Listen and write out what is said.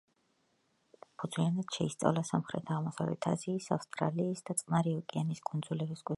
შემდგომში საფუძვლიანად შეისწავლა სამხრეთ-აღმოსავლეთ აზიის, ავსტრალიის და წყნარი ოკეანის კუნძულების მკვიდრი მოსახლეობა.